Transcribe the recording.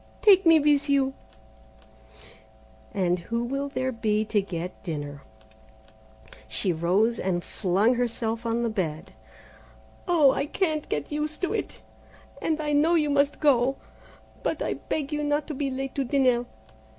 Take me with you!" "And who will there be to get dinner?" She rose and flung herself on the bed. "Oh, I can't get used to it, and I know you must go, but I beg you not to be late to dinner.